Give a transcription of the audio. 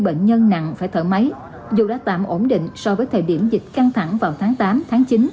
bệnh viện giải chiến thu dung số ba đã tạm ổn định so với thời điểm dịch căng thẳng vào tháng tám tháng chín